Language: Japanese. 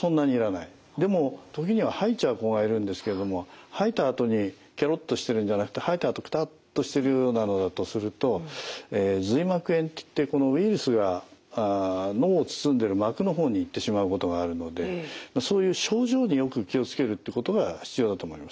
でも時には吐いちゃう子がいるんですけれども吐いたあとにけろっとしてるんじゃなくて吐いたあとくたっとしてるようなのだとすると髄膜炎っていってこのウイルスが脳を包んでる膜の方に行ってしまうことがあるのでそういう症状によく気を付けるってことが必要だと思います。